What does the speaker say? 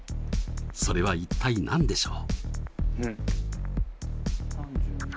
それは一体何でしょう？